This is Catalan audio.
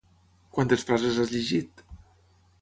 Quantes frases has llegit?